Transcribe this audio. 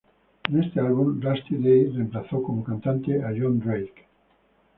En este álbum, Rusty Day reemplazó como cantante a John Drake.